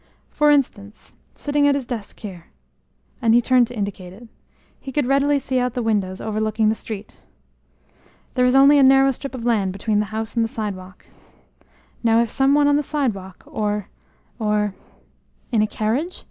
"For instance, sitting at his desk there" and he turned to indicate it "he could readily see out the windows overlooking the street. There is only a narrow strip of lawn between the house and the sidewalk. Now, if some one on the sidewalk, or or " "In a carriage?"